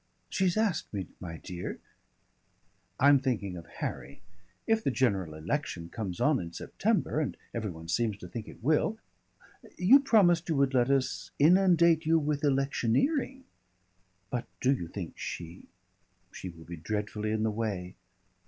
"She's asked me, my dear " "I'm thinking of Harry. If the general election comes on in September and every one seems to think it will You promised you would let us inundate you with electioneering." "But do you think she " "She will be dreadfully in the way."